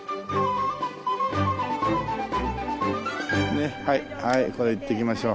ねっはいこれ行ってきましょう。